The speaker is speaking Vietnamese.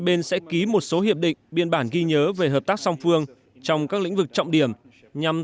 bên sẽ ký một số hiệp định biên bản ghi nhớ về hợp tác song phương trong các lĩnh vực trọng điểm nhằm